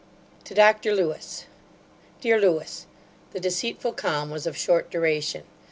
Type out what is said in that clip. To Dr LEWIS. DEAR LEWIS, The deceitful calm was of short duration.